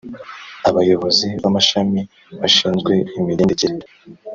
Abayobozi b amashami bashinzwe imigendekere